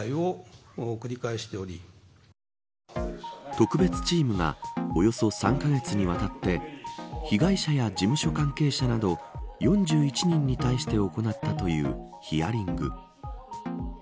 特別チームがおよそ３カ月にわたって被害者や事務所関係者など４１人に対して行ったというヒアリング。